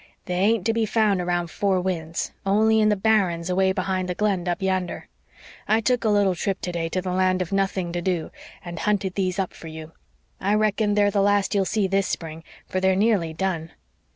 "They ain't to be found around Four Winds, only in the barrens away behind the Glen up yander. I took a little trip today to the Land of nothing to do, and hunted these up for you. I reckon they're the last you'll see this spring, for they're nearly done."